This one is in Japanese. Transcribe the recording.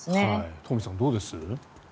東輝さん、どうです？